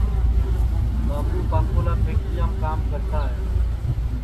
بابو پاکولا پھکٹیرام کام کرتا ہے